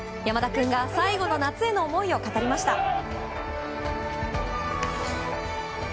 山田君が最後の夏への思いを語りました。